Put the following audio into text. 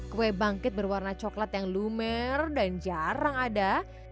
kue bangkit berwarna coklat yang lumer dan jarang ada